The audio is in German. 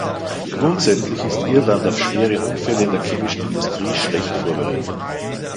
Grundsätzlich ist Irland auf schwere Unfälle in der chemischen Industrie schlecht vorbereitet.